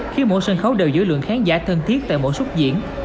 khi mỗi sân khấu đều giữ lượng khán giả thân thiết tại mỗi xuất diễn